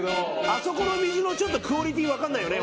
あそこの水のクオリティー分かんないよね